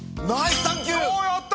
おやった！